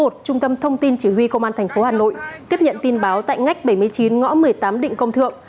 trung tâm thông tin chỉ huy công an tp hà nội tiếp nhận tin báo tại ngách bảy mươi chín ngõ một mươi tám định công thượng